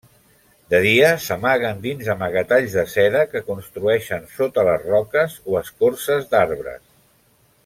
De dia, s'amaguen dins amagatalls de seda que construeixen sota les roques o escorces d'arbres.